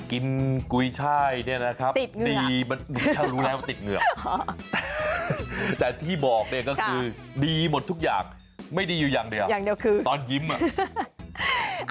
กุยช่ายเนี่ยนะครับดีมันถ้ารู้แล้วว่าติดเหงือกแต่ที่บอกเนี่ยก็คือดีหมดทุกอย่างไม่ดีอยู่อย่างเดียวอย่างเดียวคือตอนยิ้มอ่ะ